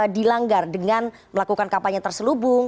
dilanggar dengan melakukan kampanye terselubung